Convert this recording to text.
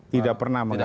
tidak pernah mengatakan